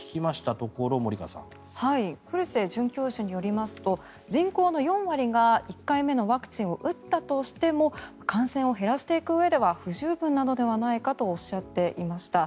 ところ古瀬准教授によりますと人口の４割が１回目のワクチンを打ったとしても感染を減らしていくうえでは不十分ではないかとおっしゃっていました。